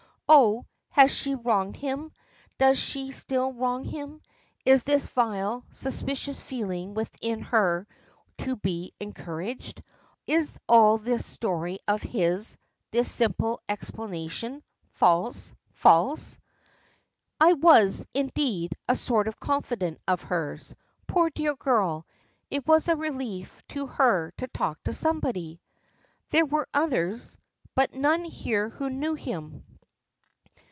Oh! has she wronged him? Does she still wrong him? Is this vile, suspicious feeling within her one to be encouraged? Is all this story of his, this simple explanation false false? "I was, indeed, a sort of confidant of hers. Poor dear girl! it was a relief to her to talk to somebody." "There were others." "But none here who knew him."